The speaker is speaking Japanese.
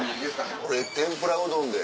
俺天ぷらうどんで。